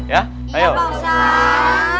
iya pak ustadz